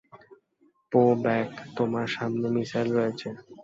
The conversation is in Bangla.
প্যেব্যাক, তোমার সামনে মিশাইল রয়েছে।